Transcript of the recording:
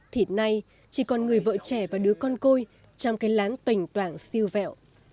thì nay chỉ còn người vợ trẻ và đứa con côi trong cái láng toành toảng siêu vẹo